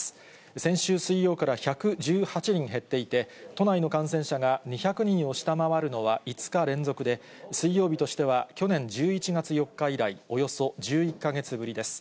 先週水曜から１１８人減っていて、都内の感染者が２００人を下回るのは５日連続で、水曜日としては去年１１月４日以来、およそ１１か月ぶりです。